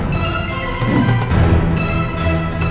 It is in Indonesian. jangan lupa joko tingkir